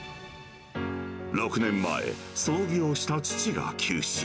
６年前、創業した父が急死。